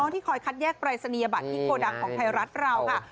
ที่คอยคัดแยกปรายศนียบัตรที่โกดังของไทยรัฐเราค่ะ